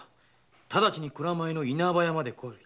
直ちに蔵前の稲葉屋まで来い」